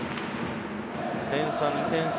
点差、２点差。